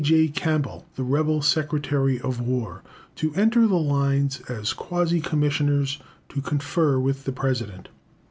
J. Campbell, the rebel Secretary of War, to enter the lines as quasi commissioners, to confer with the President.